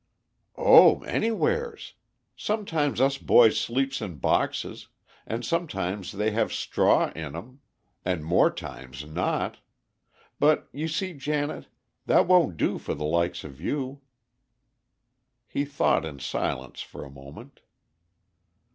"Oh, anywheres! Sometimes us boys sleeps in boxes, and sometimes they have straw in 'em, and more times not. But you see, Janet, that won't do for the likes of you." He thought in silence for a moment.